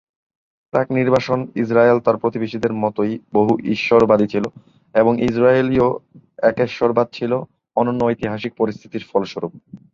প্রাক-নির্বাসন Israel তার প্রতিবেশীদের মতই বহু-ঈশ্বরবাদী ছিল, এবং ইজরায়েলীয় একেশ্বরবাদ ছিল অনন্য ঐতিহাসিক পরিস্থিতির ফলস্বরূপ।